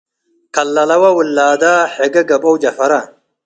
ከለለወ ውላደ ሕጌ ገብአው ጀፈረ